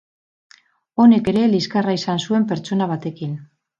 Honek ere liskarra izan zuen pertsona batekin.